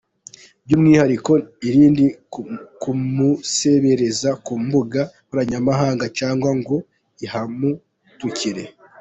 By’umwihariko irinde kumusebereza ku mbuga nkoranyambaga cyangwa ngo uhamutukire.